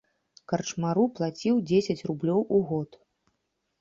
Карчмару плаціў дзесяць рублёў у год.